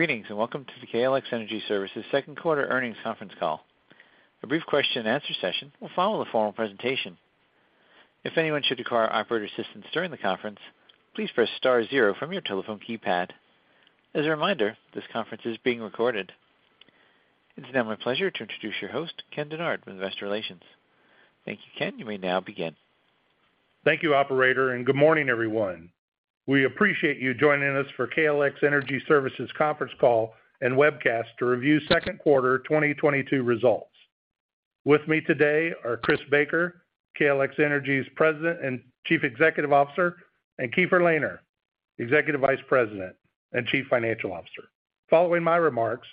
Greetings, and welcome to the KLX Energy Services second quarter earnings conference call. A brief question and answer session will follow the formal presentation. If anyone should require operator assistance during the conference, please press star zero from your telephone keypad. As a reminder, this conference is being recorded. It's now my pleasure to introduce your host, Ken Dennard with Investor Relations. Thank you, Ken. You may now begin. Thank you, operator, and good morning, everyone. We appreciate you joining us for KLX Energy Services conference call and webcast to review second quarter 2022 results. With me today are Chris Baker, KLX Energy's President and Chief Executive Officer, and Keefer Lehner, Executive Vice President and Chief Financial Officer. Following my remarks,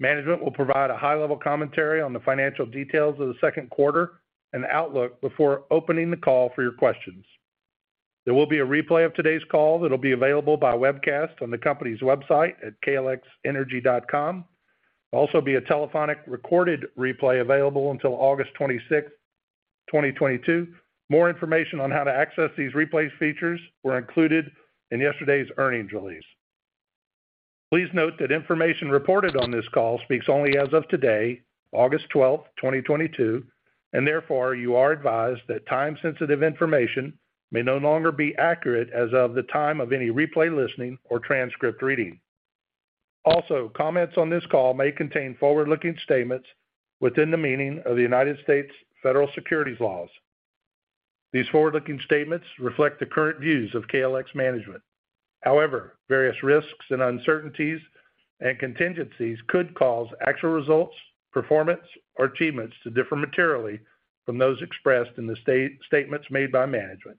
management will provide a high-level commentary on the financial details of the second quarter and outlook before opening the call for your questions. There will be a replay of today's call that'll be available by webcast on the company's website at klxenergy.com. There'll also be a telephonic recorded replay available until August 26th, 2022. More information on how to access these replay features were included in yesterday's earnings release. Please note that information reported on this call speaks only as of today, August 12, 2022, and therefore, you are advised that time-sensitive information may no longer be accurate as of the time of any replay listening or transcript reading. Also, comments on this call may contain forward-looking statements within the meaning of the United States federal securities laws. These forward-looking statements reflect the current views of KLX management. However, various risks and uncertainties and contingencies could cause actual results, performance or achievements to differ materially from those expressed in the statements made by management.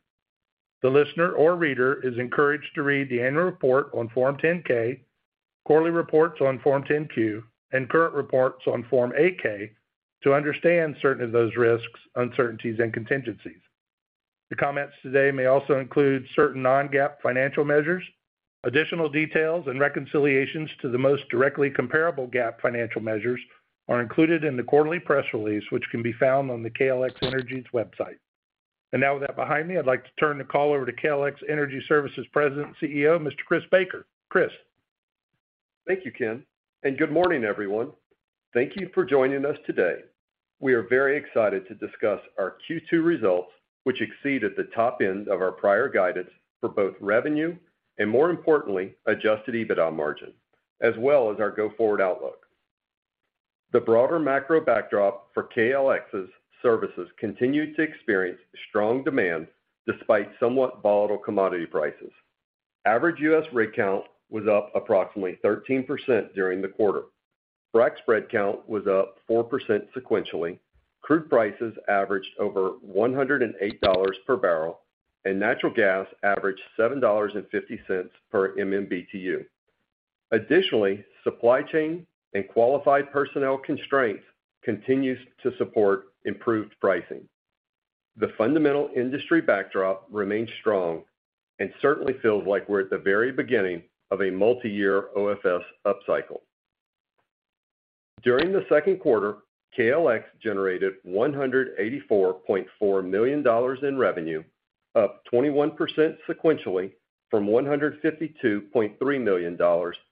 The listener or reader is encouraged to read the annual report on Form 10-K, quarterly reports on Form 10-Q, and current reports on Form 8-K to understand certain of those risks, uncertainties, and contingencies. The comments today may also include certain Non-GAAP financial measures. Additional details and reconciliations to the most directly comparable GAAP financial measures are included in the quarterly press release, which can be found on the KLX Energy Services' website. Now with that behind me, I'd like to turn the call over to KLX Energy Services President and CEO, Mr. Chris Baker. Chris. Thank you, Ken, and good morning, everyone. Thank you for joining us today. We are very excited to discuss our Q2 results, which exceeded the top end of our prior guidance for both revenue and, more importantly, adjusted EBITDA margin, as well as our go-forward outlook. The broader macro backdrop for KLX's services continued to experience strong demand despite somewhat volatile commodity prices. Average U.S. rig count was up approximately 13% during the quarter. Frac spread count was up 4% sequentially. Crude prices averaged over $108 per barrel, and natural gas averaged $7.50 per MMBTU. Additionally, supply chain and qualified personnel constraints continues to support improved pricing. The fundamental industry backdrop remains strong and certainly feels like we're at the very beginning of a multi-year OFS upcycle. During the second quarter, KLX generated $184.4 million in revenue, up 21% sequentially from $152.3 million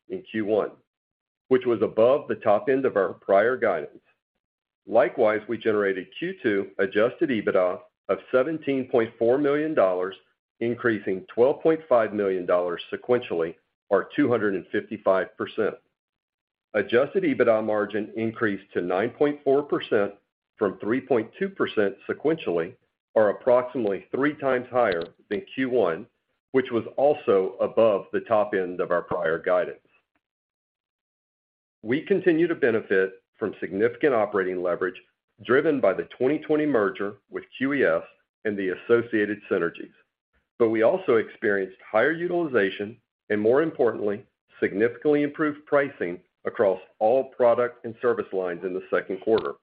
in Q1, which was above the top end of our prior guidance. Likewise, we generated Q2 Adjusted EBITDA of $17.4 million, increasing $12.5 million sequentially or 255%. Adjusted EBITDA margin increased to 9.4% from 3.2% sequentially or approximately three times higher than Q1, which was also above the top end of our prior guidance. We continue to benefit from significant operating leverage driven by the 2020 merger with QES and the associated synergies. We also experienced higher utilization and, more importantly, significantly improved pricing across all product and service lines in the second quarter.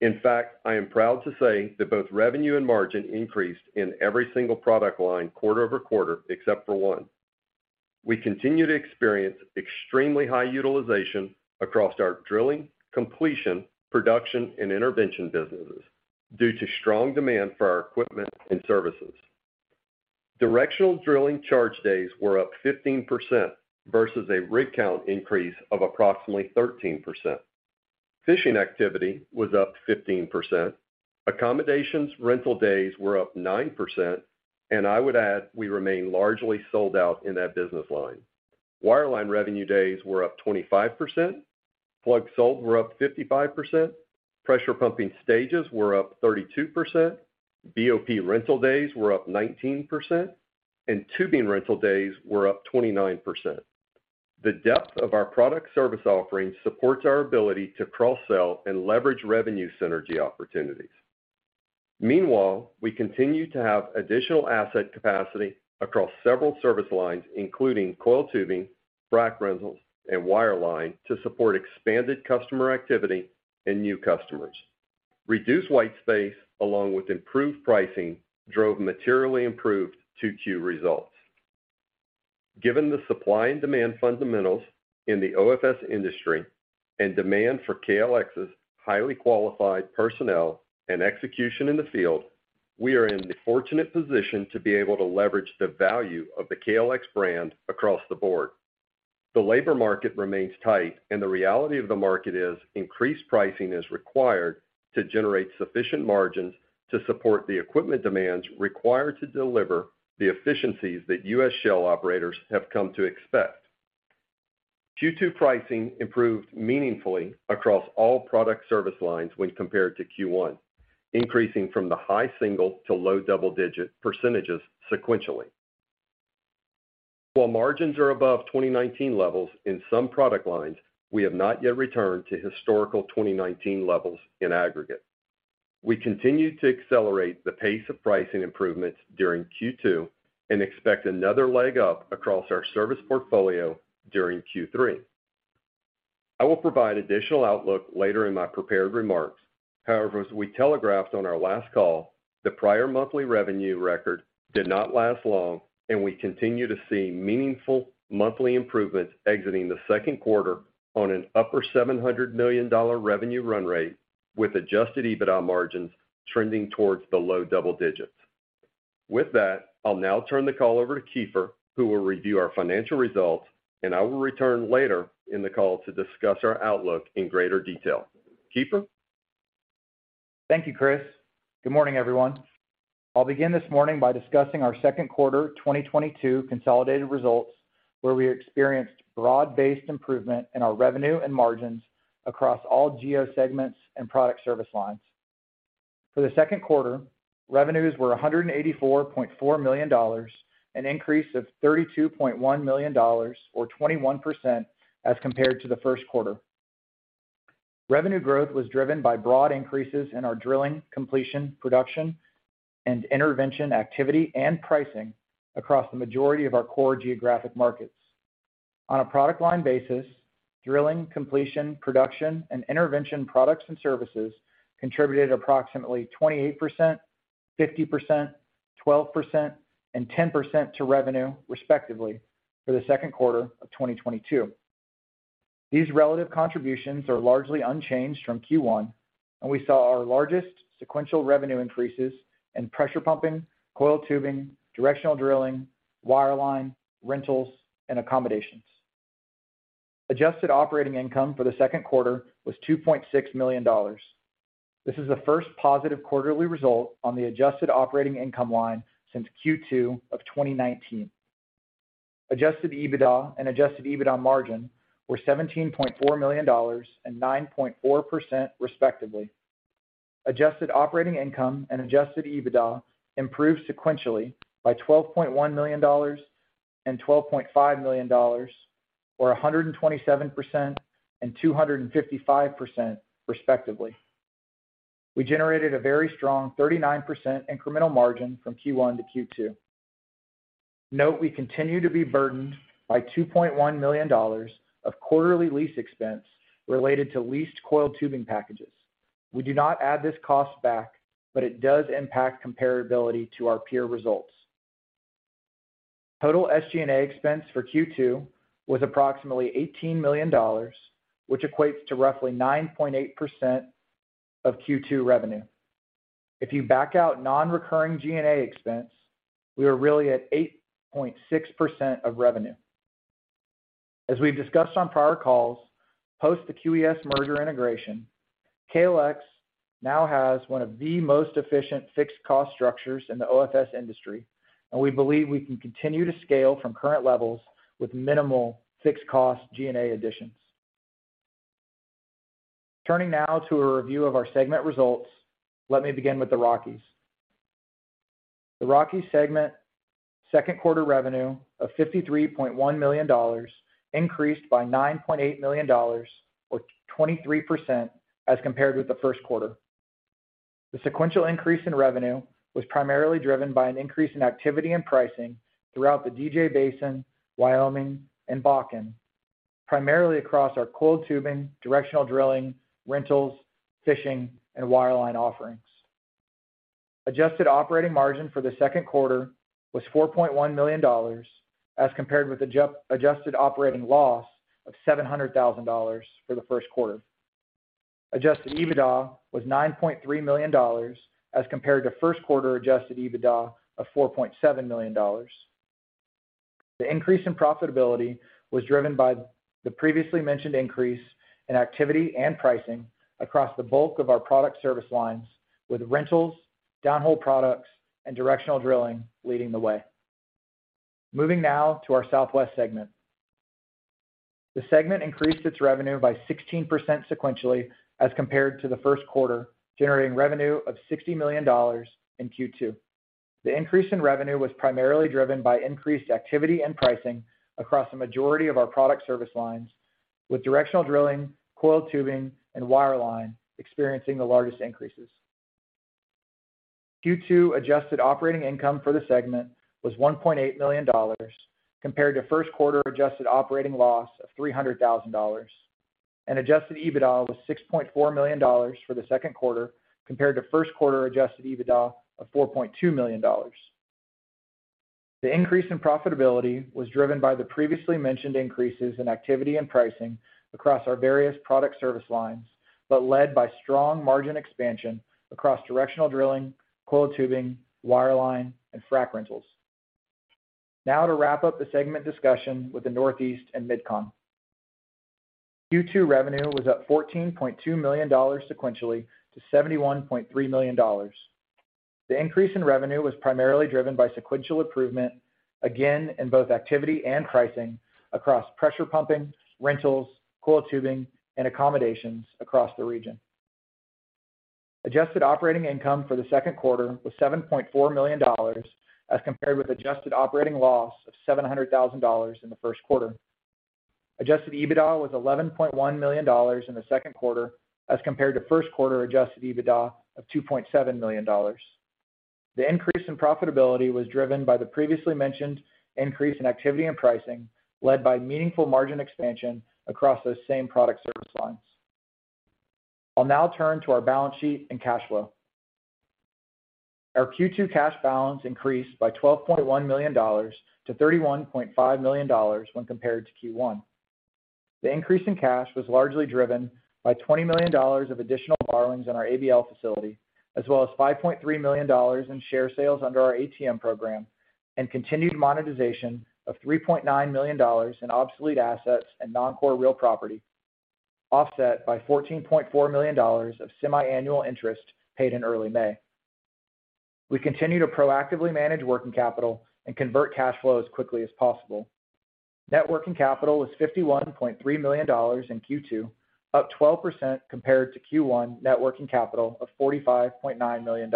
In fact, I am proud to say that both revenue and margin increased in every single product line quarter-over-quarter except for one. We continue to experience extremely high utilization across our drilling, completion, production, and intervention businesses due to strong demand for our equipment and services. Directional drilling charge days were up 15% versus a rig count increase of approximately 13%. Fishing activity was up 15%. Accommodations rental days were up 9%, and I would add we remain largely sold out in that business line. Wireline revenue days were up 25%. Plugs sold were up 55%. Pressure pumping stages were up 32%. BOP rental days were up 19%, and tubing rental days were up 29%. The depth of our product service offerings supports our ability to cross-sell and leverage revenue synergy opportunities. Meanwhile, we continue to have additional asset capacity across several service lines, including coiled tubing, frac rentals, and wireline to support expanded customer activity and new customers. Reduced white space along with improved pricing drove materially improved 2Q results. Given the supply and demand fundamentals in the OFS industry and demand for KLX's highly qualified personnel and execution in the field. We are in the fortunate position to be able to leverage the value of the KLX brand across the board. The labor market remains tight, and the reality of the market is increased pricing is required to generate sufficient margins to support the equipment demands required to deliver the efficiencies that U.S. shale operators have come to expect. Q2 pricing improved meaningfully across all product service lines when compared to Q1, increasing from the high single- to low double-digit percentages sequentially. While margins are above 2019 levels in some product lines, we have not yet returned to historical 2019 levels in aggregate. We continue to accelerate the pace of pricing improvements during Q2 and expect another leg up across our service portfolio during Q3. I will provide additional outlook later in my prepared remarks. However, as we telegraphed on our last call, the prior monthly revenue record did not last long, and we continue to see meaningful monthly improvements exiting the second quarter on an upper $700 million revenue run rate with adjusted EBITDA margins trending towards the low double digits. With that, I'll now turn the call over to Keefer, who will review our financial results, and I will return later in the call to discuss our outlook in greater detail. Keefer? Thank you, Chris. Good morning, everyone. I'll begin this morning by discussing our second quarter 2022 consolidated results, where we experienced broad-based improvement in our revenue and margins across all geo segments and product service lines. For the second quarter, revenues were $184.4 million, an increase of $32.1 million or 21% as compared to the first quarter. Revenue growth was driven by broad increases in our drilling, completion, production, and intervention activity and pricing across the majority of our core geographic markets. On a product line basis, drilling, completion, production, and intervention products and services contributed approximately 28%, 50%, 12%, and 10% to revenue, respectively, for the second quarter of 2022. These relative contributions are largely unchanged from Q1, and we saw our largest sequential revenue increases in pressure pumping, coiled tubing, directional drilling, wireline, rentals, and accommodations. Adjusted operating income for the second quarter was $2.6 million. This is the first positive quarterly result on the adjusted operating income line since Q2 of 2019. Adjusted EBITDA and adjusted EBITDA margin were $17.4 million and 9.4%, respectively. Adjusted operating income and adjusted EBITDA improved sequentially by $12.1 million and $12.5 million or 127% and 255%, respectively. We generated a very strong 39% incremental margin from Q1 to Q2. Note we continue to be burdened by $2.1 million of quarterly lease expense related to leased coiled tubing packages. We do not add this cost back, but it does impact comparability to our peer results. Total SG&A expense for Q2 was approximately $18 million, which equates to roughly 9.8% of Q2 revenue. If you back out non-recurring G&A expense, we are really at 8.6% of revenue. As we've discussed on prior calls, post the QES merger integration, KLX now has one of the most efficient fixed cost structures in the OFS industry, and we believe we can continue to scale from current levels with minimal fixed cost G&A additions. Turning now to a review of our segment results, let me begin with the Rockies. The Rockies segment second quarter revenue of $53.1 million increased by $9.8 million or 23% as compared with the first quarter. The sequential increase in revenue was primarily driven by an increase in activity and pricing throughout the DJ Basin, Wyoming, and Bakken, primarily across our coiled tubing, directional drilling, rentals, fishing, and wireline offerings. Adjusted operating margin for the second quarter was $4.1 million as compared with adjusted operating loss of $700,000 for the first quarter. Adjusted EBITDA was $9.3 million as compared to first quarter adjusted EBITDA of $4.7 million. The increase in profitability was driven by the previously mentioned increase in activity and pricing across the bulk of our product service lines with rentals, downhole products, and directional drilling leading the way. Moving now to our Southwest segment. The segment increased its revenue by 16% sequentially as compared to the first quarter, generating revenue of $60 million in Q2. The increase in revenue was primarily driven by increased activity and pricing across the majority of our product service lines, with directional drilling, coiled tubing, and wireline experiencing the largest increases. Q2 adjusted operating income for the segment was $1.8 million compared to first quarter adjusted operating loss of $300,000. Adjusted EBITDA was $6.4 million for the second quarter compared to first quarter adjusted EBITDA of $4.2 million. The increase in profitability was driven by the previously mentioned increases in activity and pricing across our various product service lines, but led by strong margin expansion across directional drilling, coiled tubing, wireline, and frac rentals. Now to wrap up the segment discussion with the Northeast and Mid-Con. Q2 revenue was up $14.2 million sequentially to $71.3 million. The increase in revenue was primarily driven by sequential improvement, again in both activity and pricing across pressure pumping, rentals, coiled tubing and accommodations across the region. Adjusted operating income for the second quarter was $7.4 million, as compared with adjusted operating loss of $700 thousand in the first quarter. Adjusted EBITDA was $11.1 million in the second quarter as compared to first quarter adjusted EBITDA of $2.7 million. The increase in profitability was driven by the previously mentioned increase in activity and pricing, led by meaningful margin expansion across those same product service lines. I'll now turn to our balance sheet and cash flow. Our Q2 cash balance increased by $12.1 million to $31.5 million when compared to Q1. The increase in cash was largely driven by $20 million of additional borrowings in our ABL facility as well as $5.3 million in share sales under our ATM program, and continued monetization of $3.9 million in obsolete assets and non-core real property, offset by $14.4 million of semiannual interest paid in early May. We continue to proactively manage working capital and convert cash flow as quickly as possible. Net working capital was $51.3 million in Q2, up 12% compared to Q1 net working capital of $45.9 million.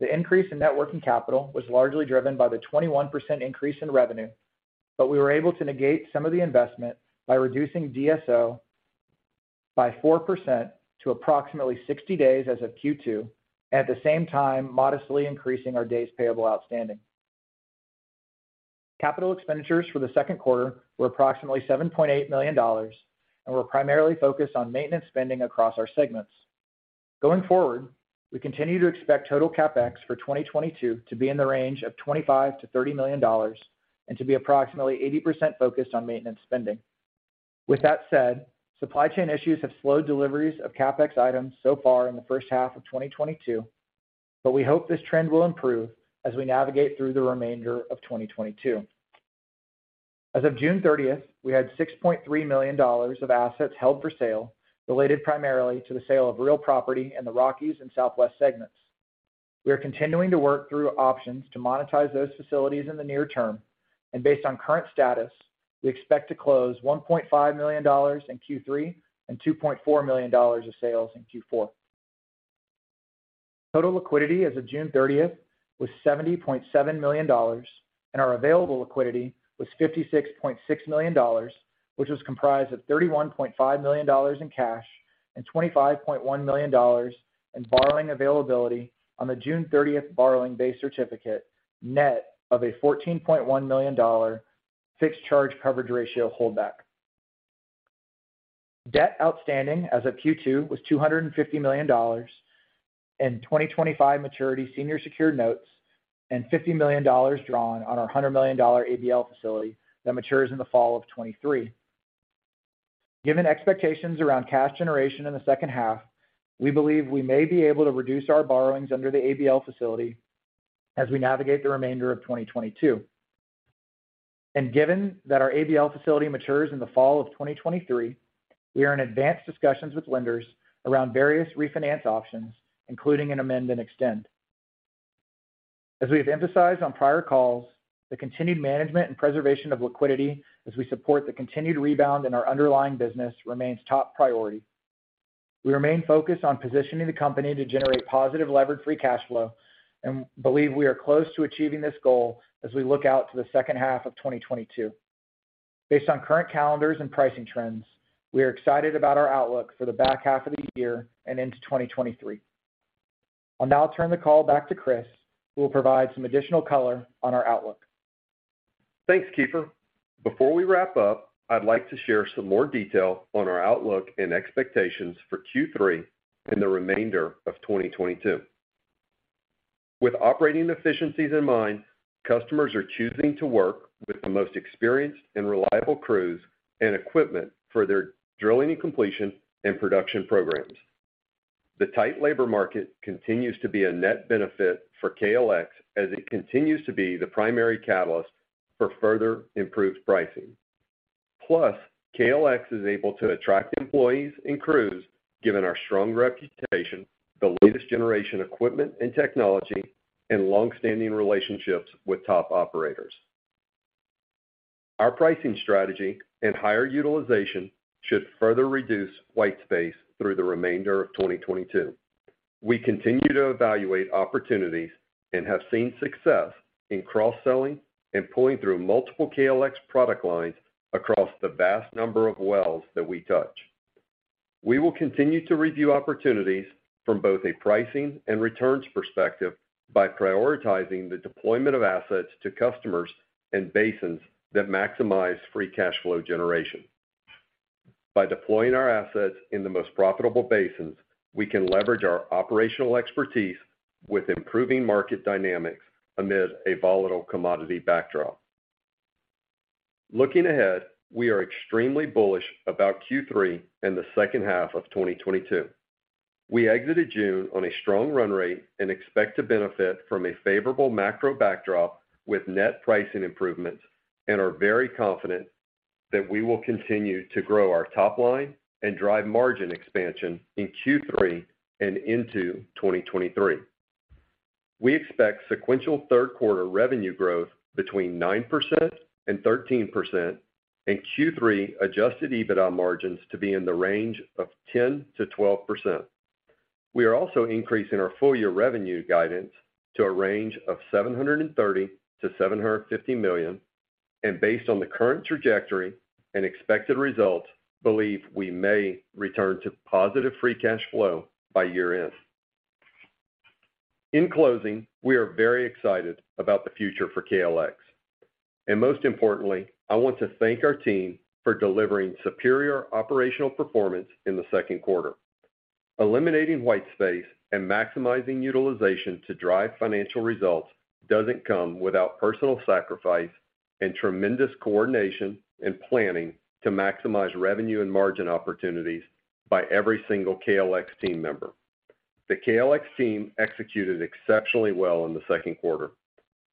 The increase in net working capital was largely driven by the 21% increase in revenue, but we were able to negate some of the investment by reducing DSO by 4% to approximately 60 days as of Q2, at the same time, modestly increasing our days payable outstanding. Capital expenditures for the second quarter were approximately $7.8 million and were primarily focused on maintenance spending across our segments. Going forward, we continue to expect total CapEx for 2022 to be in the range of $25 million-$30 million and to be approximately 80% focused on maintenance spending. With that said, supply chain issues have slowed deliveries of CapEx items so far in the first half of 2022, but we hope this trend will improve as we navigate through the remainder of 2022. As of June 30th, we had $6.3 million of assets held for sale, related primarily to the sale of real property in the Rockies and Southwest segments. We are continuing to work through options to monetize those facilities in the near-term, and based on current status, we expect to close $1.5 million in Q3 and $2.4 million of sales in Q4. Total liquidity as of June 30th was $70.7 million, and our available liquidity was $56.6 million, which was comprised of $31.5 million in cash and $25.1 million in borrowing availability on the June 30th borrowing base certificate, net of a $14.1 million fixed charge coverage ratio holdback. Debt outstanding as of Q2 was $250 million in 2025 maturity senior secured notes and $50 million drawn on our $100 million ABL facility that matures in the fall of 2023. Given expectations around cash generation in the second half, we believe we may be able to reduce our borrowings under the ABL facility as we navigate the remainder of 2022. Given that our ABL facility matures in the fall of 2023, we are in advanced discussions with lenders around various refinance options, including an amend and extend. As we have emphasized on prior calls, the continued management and preservation of liquidity as we support the continued rebound in our underlying business remains top priority. We remain focused on positioning the company to generate positive levered free cash flow and believe we are close to achieving this goal as we look out to the second half of 2022. Based on current calendars and pricing trends, we are excited about our outlook for the back half of the year and into 2023. I'll now turn the call back to Chris, who will provide some additional color on our outlook. Thanks, Keefer. Before we wrap up, I'd like to share some more detail on our outlook and expectations for Q3 and the remainder of 2022. With operating efficiencies in mind, customers are choosing to work with the most experienced and reliable crews and equipment for their drilling and completion and production programs. The tight labor market continues to be a net benefit for KLX as it continues to be the primary catalyst for further improved pricing. Plus, KLX is able to attract employees and crews given our strong reputation, the latest generation equipment and technology, and long-standing relationships with top operators. Our pricing strategy and higher utilization should further reduce white space through the remainder of 2022. We continue to evaluate opportunities and have seen success in cross-selling and pulling through multiple KLX product lines across the vast number of wells that we touch. We will continue to review opportunities from both a pricing and returns perspective by prioritizing the deployment of assets to customers and basins that maximize free cash flow generation. By deploying our assets in the most profitable basins, we can leverage our operational expertise with improving market dynamics amid a volatile commodity backdrop. Looking ahead, we are extremely bullish about Q3 and the second half of 2022. We exited June on a strong run rate and expect to benefit from a favorable macro backdrop with net pricing improvements and are very confident that we will continue to grow our top line and drive margin expansion in Q3 and into 2023. We expect sequential third quarter revenue growth between 9% and 13% and Q3 adjusted EBITDA margins to be in the range of 10%-12%. We are also increasing our full year revenue guidance to a range of $730 million-$750 million and based on the current trajectory and expected results, believe we may return to positive free cash flow by year end. In closing, we are very excited about the future for KLX. Most importantly, I want to thank our team for delivering superior operational performance in the second quarter. Eliminating white space and maximizing utilization to drive financial results doesn't come without personal sacrifice and tremendous coordination and planning to maximize revenue and margin opportunities by every single KLX team member. The KLX team executed exceptionally well in the second quarter.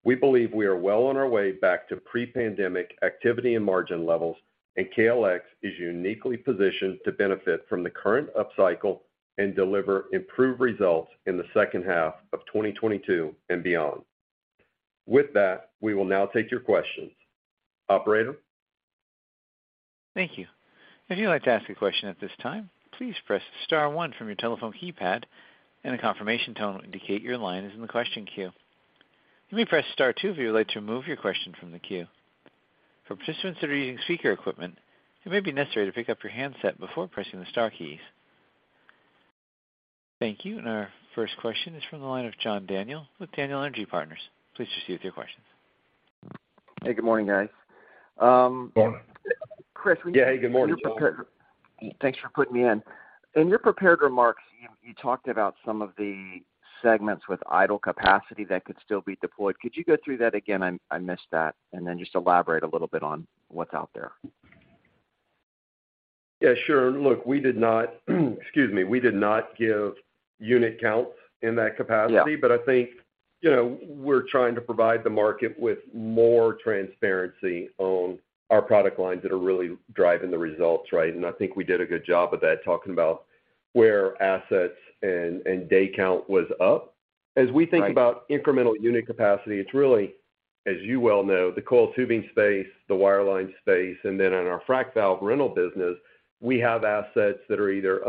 We believe we are well on our way back to pre-pandemic activity and margin levels, and KLX is uniquely positioned to benefit from the current upcycle and deliver improved results in the second half of 2022 and beyond. With that, we will now take your questions. Operator? Thank you. If you'd like to ask a question at this time, please press star one from your telephone keypad and a confirmation tone will indicate your line is in the question queue. You may press star two if you would like to remove your question from the queue. For participants that are using speaker equipment, it may be necessary to pick up your handset before pressing the star keys. Thank you. Our first question is from the line of John Daniel with Daniel Energy Partners. Please proceed with your question. Hey, good morning, guys. Morning. Chris, when you- Yeah. Hey, good morning, John. Thanks for putting me in. In your prepared remarks, you talked about some of the segments with idle capacity that could still be deployed. Could you go through that again? I missed that. Just elaborate a little bit on what's out there. Yeah, sure. Look, excuse me, we did not give unit counts in that capacity. Yeah. I think, you know, we're trying to provide the market with more transparency on our product lines that are really driving the results, right? I think we did a good job of that, talking about where assets and day count was up. Right. As we think about incremental unit capacity, it's really, as you well know, the coiled tubing space, the wireline space, and then on our frac valve rental business, we have assets that are either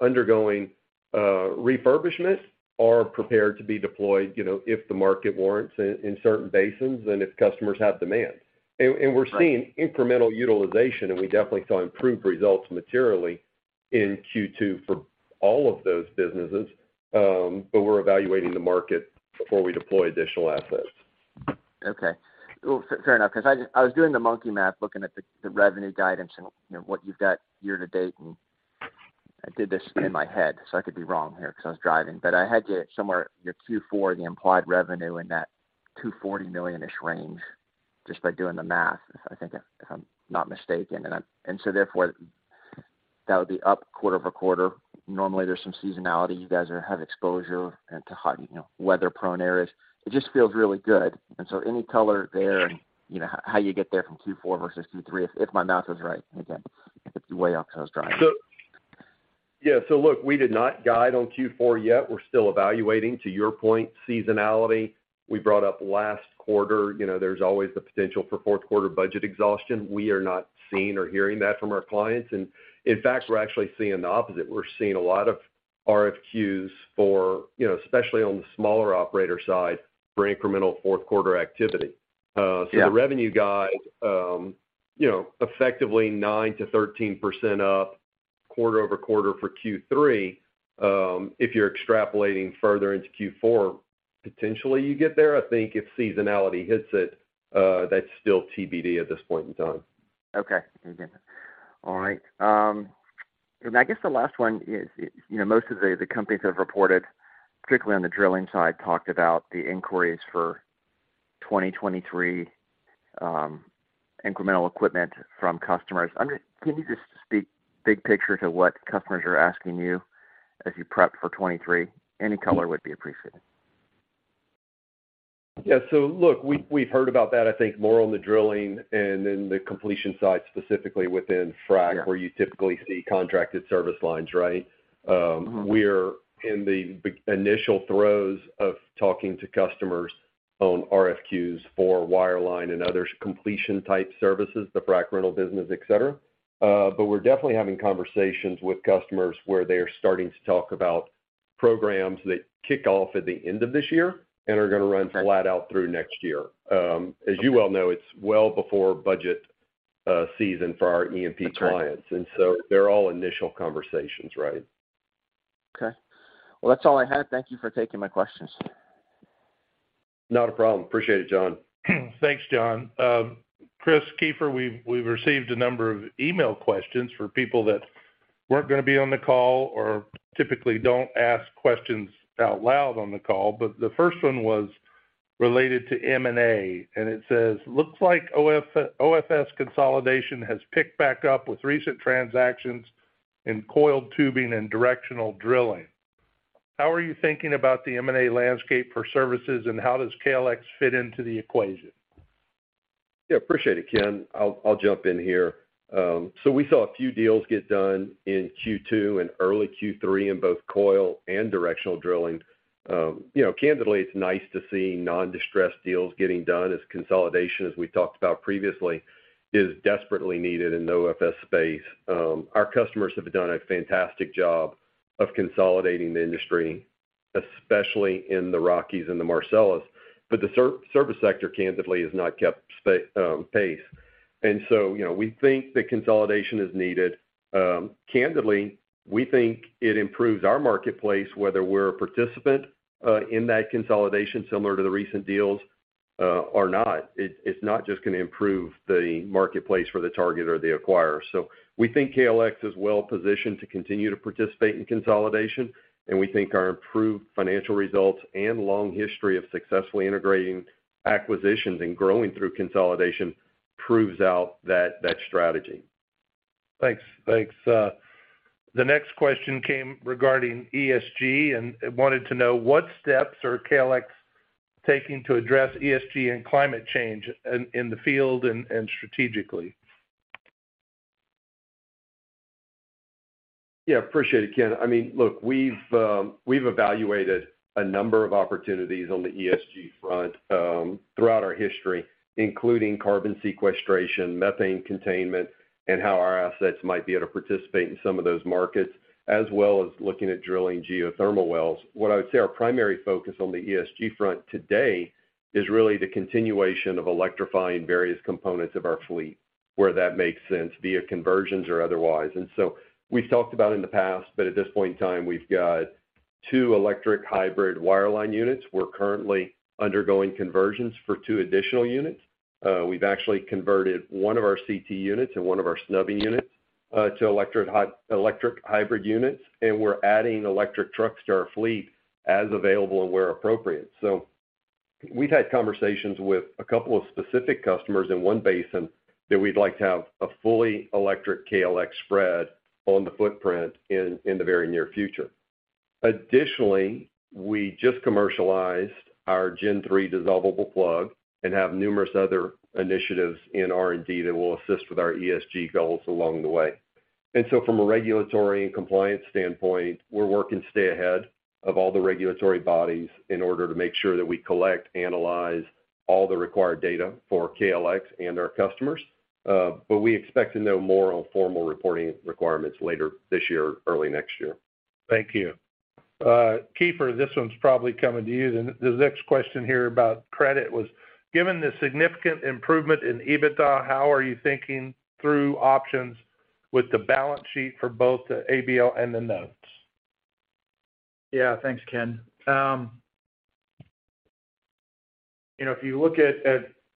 undergoing refurbishment or prepared to be deployed, you know, if the market warrants in certain basins and if customers have demand. We're seeing Right incremental utilization, we definitely saw improved results materially in Q2 for all of those businesses, but we're evaluating the market before we deploy additional assets. Okay. Well, fair enough, 'cause I was doing the monkey math, looking at the revenue guidance and, you know, what you've got year to date, and I did this in my head, so I could be wrong here 'cause I was driving. I had you at somewhere in your Q4, the implied revenue in that $240 million-ish range just by doing the math, I think if I'm not mistaken. Therefore that would be up quarter-over-quarter. Normally, there's some seasonality. You guys have exposure into hot, you know, weather-prone areas. It just feels really good. Any color there and, you know, how you get there from Q4 versus Q3, if my math is right. Again, it could be way off because I was driving. Yeah. Look, we did not guide on Q4 yet. We're still evaluating. To your point, seasonality, we brought up last quarter. You know, there's always the potential for fourth quarter budget exhaustion. We are not seeing or hearing that from our clients. In fact, we're actually seeing the opposite. We're seeing a lot of RFQs for, you know, especially on the smaller operator side for incremental fourth quarter activity. Yeah The revenue guide, you know, effectively 9%-13% up quarter-over-quarter for Q3. If you're extrapolating further into Q4, potentially you get there. I think if seasonality hits it, that's still TBD at this point in time. Okay. Makes sense. All right. I guess the last one is, you know, most of the companies have reported, particularly on the drilling side, talked about the inquiries for 2023, incremental equipment from customers. Can you just speak big picture to what customers are asking you as you prep for 2023? Any color would be appreciated. Yeah. Look, we've heard about that, I think, more on the drilling and in the completion side, specifically within frac- Yeah where you typically see contracted service lines, right? Mm-hmm We're in the initial throes of talking to customers on RFQs for wireline and other completion type services, the frac rental business, et cetera. We're definitely having conversations with customers where they are starting to talk about programs that kick off at the end of this year and are gonna run flat out through next year. As you well know, it's well before budget season for our E&P clients. That's right. They're all initial conversations, right? Okay. Well, that's all I had. Thank you for taking my questions. Not a problem. Appreciate it, John. Thanks, John. Chris, Keefer, we've received a number of email questions for people that weren't gonna be on the call or typically don't ask questions out loud on the call. The first one was related to M&A, and it says, "Looks like OFS consolidation has picked back up with recent transactions in coiled tubing and directional drilling. How are you thinking about the M&A landscape for services, and how does KLX fit into the equation? Yeah, appreciate it, Ken. I'll jump in here. We saw a few deals get done in Q2 and early Q3 in both coil and directional drilling. You know, candidly, it's nice to see non-distressed deals getting done, as consolidation, as we talked about previously, is desperately needed in the OFS space. Our customers have done a fantastic job of consolidating the industry, especially in the Rockies and the Marcellus. The service sector, candidly, has not kept pace. We think that consolidation is needed. Candidly, we think it improves our marketplace, whether we're a participant in that consolidation similar to the recent deals, or not. It's not just gonna improve the marketplace for the target or the acquirer. We think KLX is well-positioned to continue to participate in consolidation, and we think our improved financial results and long history of successfully integrating acquisitions and growing through consolidation proves out that strategy. Thanks. The next question came regarding ESG, and it wanted to know what steps are KLX taking to address ESG and climate change in the field and strategically? Yeah, appreciate it, Ken. I mean, look, we've evaluated a number of opportunities on the ESG front throughout our history, including carbon sequestration, methane containment, and how our assets might be able to participate in some of those markets, as well as looking at drilling geothermal wells. What I would say our primary focus on the ESG front today is really the continuation of electrifying various components of our fleet, where that makes sense, via conversions or otherwise. We've talked about in the past, but at this point in time, we've got two electric hybrid wireline units. We're currently undergoing conversions for two additional units. We've actually converted one of our CT units and one of our snubbing units to electric hybrid units, and we're adding electric trucks to our fleet as available and where appropriate. We've had conversations with a couple of specific customers in one basin that we'd like to have a fully electric KLX spread on the footprint in the very near future. Additionally, we just commercialized our Gen Three dissolvable plug and have numerous other initiatives in R&D that will assist with our ESG goals along the way. From a regulatory and compliance standpoint, we're working to stay ahead of all the regulatory bodies in order to make sure that we collect, analyze all the required data for KLX and our customers. We expect to know more on formal reporting requirements later this year or early next year. Thank you. Keefer, this one's probably coming to you. The next question here about credit was: given the significant improvement in EBITDA, how are you thinking through options with the balance sheet for both the ABL and the notes? Yeah. Thanks, Ken. You know, if you look at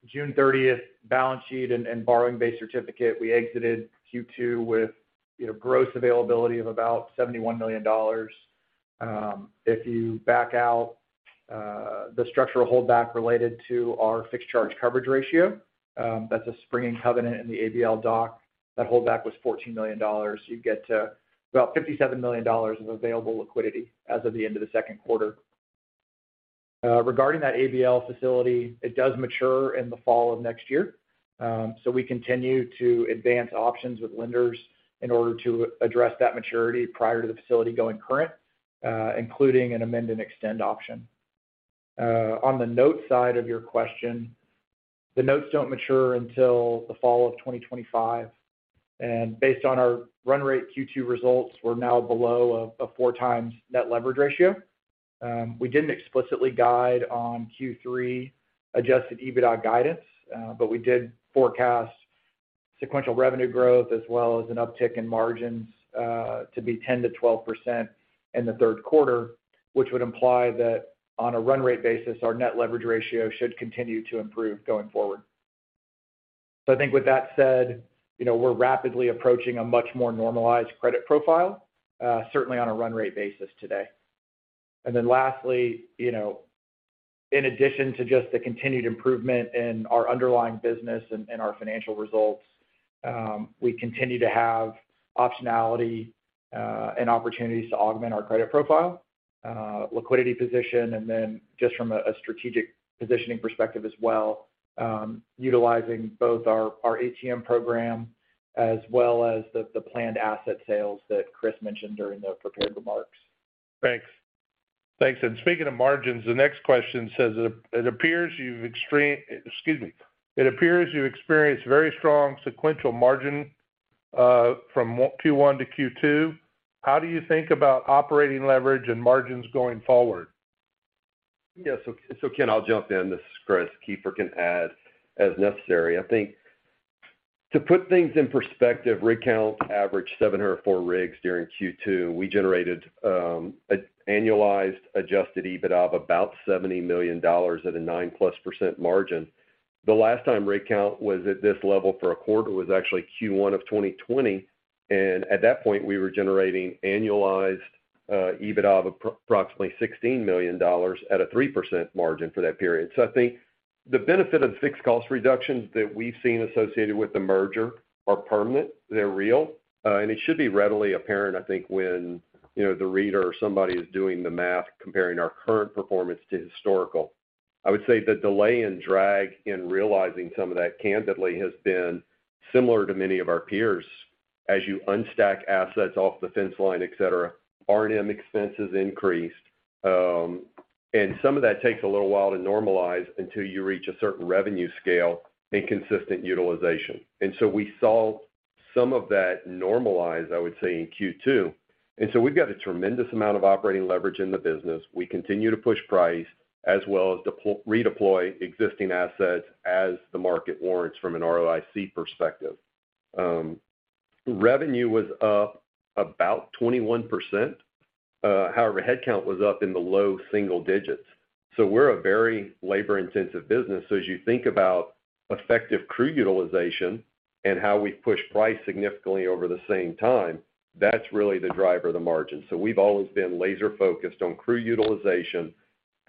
June 30th balance sheet and borrowing base certificate, we exited Q2 with, you know, gross availability of about $71 million. If you back out the structural holdback related to our fixed charge coverage ratio, that's a springing covenant in the ABL doc. That holdback was $14 million. You get to about $57 million of available liquidity as of the end of the second quarter. Regarding that ABL facility, it does mature in the fall of next year. We continue to advance options with lenders in order to address that maturity prior to the facility going current, including an amend-and-extend option. On the notes side of your question, the notes don't mature until the fall of 2025. Based on our run rate Q2 results, we're now below a 4x net leverage ratio. We didn't explicitly guide on Q3 adjusted EBITDA guidance, but we did forecast sequential revenue growth as well as an uptick in margins to be 10%-12% in the third quarter, which would imply that on a run rate basis, our net leverage ratio should continue to improve going forward. I think with that said, you know, we're rapidly approaching a much more normalized credit profile, certainly on a run rate basis today. Lastly, you know, in addition to just the continued improvement in our underlying business and our financial results, we continue to have optionality and opportunities to augment our credit profile, liquidity position, and then just from a strategic positioning perspective as well, utilizing both our ATM program as well as the planned asset sales that Chris mentioned during the prepared remarks. Thanks. Speaking of margins, the next question says it appears you experienced very strong sequential margins from Q1 to Q2. How do you think about operating leverage and margins going forward? Yeah. Ken Dennard, I'll jump in, unless Keefer Lehner can add as necessary. I think. To put things in perspective, rig count averaged 704 rigs during Q2. We generated a annualized adjusted EBITDA of about $70 million at a 9%+ margin. The last time rig count was at this level for a quarter was actually Q1 of 2020, and at that point, we were generating annualized EBITDA of approximately $16 million at a 3% margin for that period. I think the benefit of fixed cost reductions that we've seen associated with the merger are permanent, they're real. It should be readily apparent, I think, when, you know, the reader or somebody is doing the math, comparing our current performance to historical. I would say the delay and drag in realizing some of that candidly has been similar to many of our peers. As you unstack assets off the fence line, et cetera, R&M expenses increased. Some of that takes a little while to normalize until you reach a certain revenue scale and consistent utilization. We saw some of that normalize, I would say, in Q2. We've got a tremendous amount of operating leverage in the business. We continue to push price as well as redeploy existing assets as the market warrants from an ROIC perspective. Revenue was up about 21%. However, headcount was up in the low single digits. We're a very labor-intensive business. As you think about effective crew utilization and how we've pushed price significantly over the same time, that's really the driver of the margin. We've always been laser-focused on crew utilization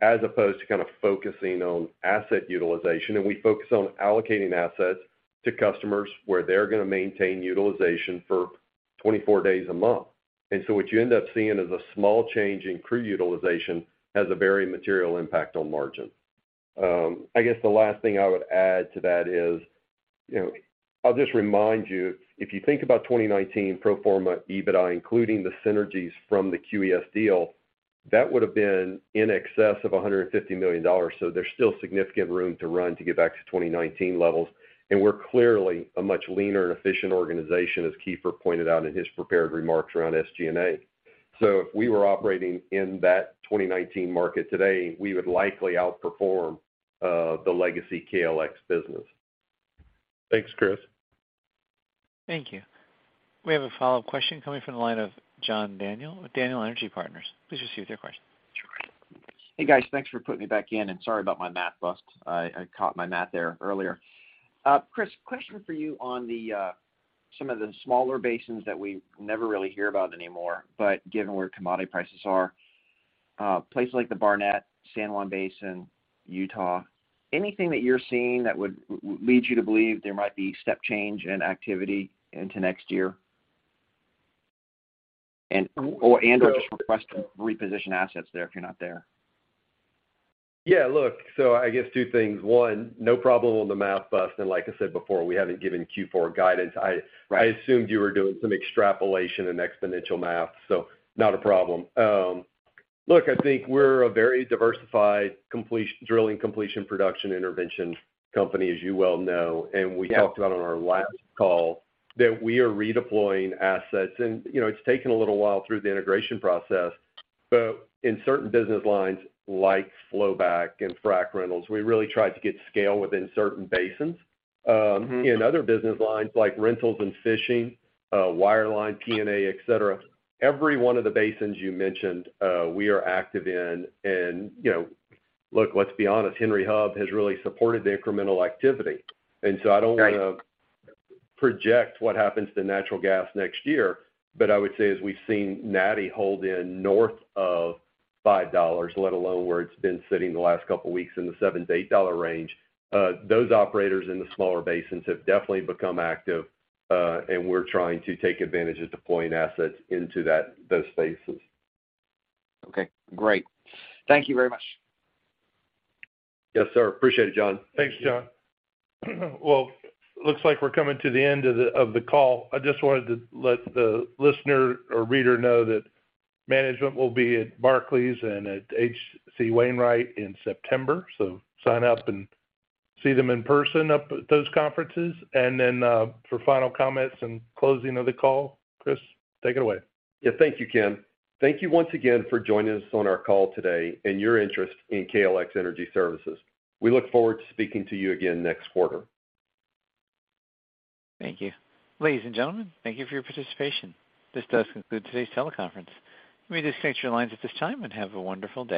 as opposed to kind of focusing on asset utilization. We focus on allocating assets to customers where they're gonna maintain utilization for 24 days a month. What you end up seeing is a small change in crew utilization has a very material impact on margin. I guess the last thing I would add to that is, you know, I'll just remind you, if you think about 2019 pro forma EBITDA, including the synergies from the QES deal, that would've been in excess of $150 million. There's still significant room to run to get back to 2019 levels. We're clearly a much leaner and efficient organization, as Keefer pointed out in his prepared remarks around SG&A. If we were operating in that 2019 market today, we would likely outperform the legacy KLX business. Thanks, Chris. Thank you. We have a follow-up question coming from the line of John Daniel with Daniel Energy Partners. Please proceed with your question. Sure. Hey, guys. Thanks for putting me back in, and sorry about my math bust. I caught my math there earlier. Chris, question for you on the some of the smaller basins that we never really hear about anymore, but given where commodity prices are, places like the Barnett, San Juan Basin, Utah, anything that you're seeing that would lead you to believe there might be step change in activity into next year? And/or just request to reposition assets there if you're not there. Yeah. Look, I guess two things. One, no problem on the math bust. Like I said before, we haven't given Q4 guidance. Right. I assumed you were doing some extrapolation and exponential math, so not a problem. Look, I think we're a very diversified drilling completion production intervention company, as you well know. Yeah. We talked about on our last call that we are redeploying assets. You know, it's taken a little while through the integration process. In certain business lines, like flowback and frac rentals, we really tried to get scale within certain basins. In other business lines like rentals and fishing, wireline, P&A, etc., every one of the basins you mentioned, we are active in. You know, look, let's be honest, Henry Hub has really supported the incremental activity. Right. I don't wanna project what happens to natural gas next year, but I would say as we've seen Natty hold in north of $5, let alone where it's been sitting the last couple weeks in the $7-$8 range, those operators in the smaller basins have definitely become active, and we're trying to take advantage of deploying assets into that, those spaces. Okay, great. Thank you very much. Yes, sir. Appreciate it, John. Thanks, John. Well, looks like we're coming to the end of the call. I just wanted to let the listener or reader know that management will be at Barclays and at H.C. Wainwright in September. Sign up and see them in person up at those conferences. For final comments and closing of the call, Chris, take it away. Yeah. Thank you, Ken. Thank you once again for joining us on our call today and your interest in KLX Energy Services. We look forward to speaking to you again next quarter. Thank you. Ladies and gentlemen, thank you for your participation. This does conclude today's teleconference. You may disconnect your lines at this time, and have a wonderful day.